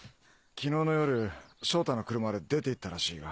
昨日の夜翔太の車で出て行ったらしいが。